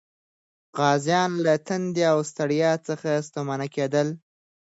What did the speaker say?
غازیان له تندې او ستړیا څخه ستومانه کېدل.